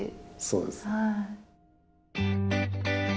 そうです。